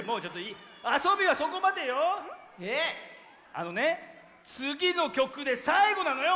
あのねつぎのきょくでさいごなのよ